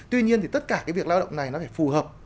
tuy nhiên thì tất cả cái việc lao động này nó phải phù hợp